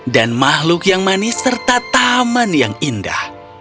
dan makhluk yang manis serta taman yang indah